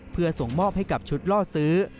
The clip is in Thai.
เพื่อส่งมอบให้กับชุดล่อซื้อ